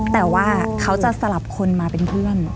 แต่ว่าเขาจะสลับคนมาเป็นเพื่อน